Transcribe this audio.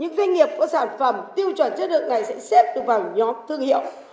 những doanh nghiệp của sản phẩm tiêu chuẩn chất lượng này sẽ xếp vào nhóm thương hiệu